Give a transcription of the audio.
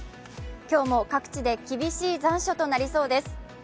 今日も各地で厳しい残暑となりそうです。